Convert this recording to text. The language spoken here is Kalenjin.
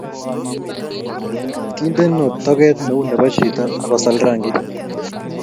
Kindeno toget neu nebo chito, akosal rangik